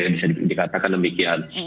bisa dikatakan demikian